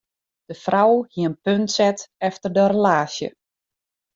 De frou hie in punt set efter de relaasje.